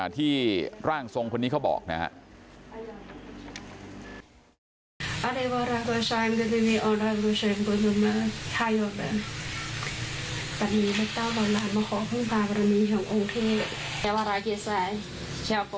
ที่ร่างทรงคนนี้เขาบอกนะครับ